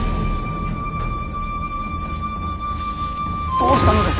どうしたのです？